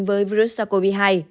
với virus sars cov hai